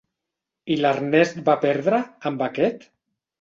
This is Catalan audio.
I l'Ernest va perdre, amb aquest?